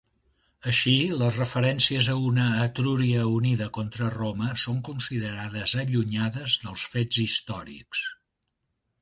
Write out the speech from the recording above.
Així, les referències a una Etrúria unida contra Roma són considerades allunyades dels fets històrics.